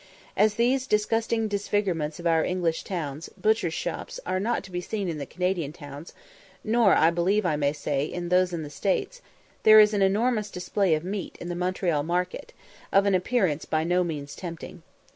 As those disgusting disfigurements of our English streets, butchers' shops, are not to be seen in the Canadian towns, nor, I believe I may say, in those in the States, there is an enormous display of meat in the Montreal market, of an appearance by no means tempting.